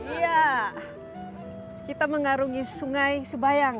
iya kita mengarungi sungai subayang ya